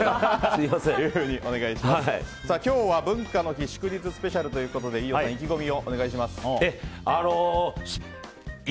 今日は文化の日祝日スペシャルということで飯尾さん意気込みをお願いします。